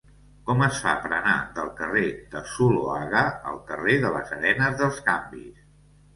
Com es fa per anar del carrer de Zuloaga al carrer de les Arenes dels Canvis?